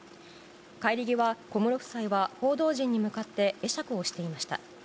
帰り際、小室夫妻は報道陣に向かって会釈をしていました。